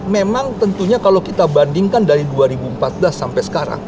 memang tentunya kalau kita bandingkan dari dua ribu empat belas sampai sekarang